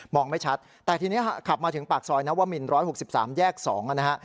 ไม่ชัดแต่ทีนี้ขับมาถึงปากซอยนวมิน๑๖๓แยก๒นะฮะ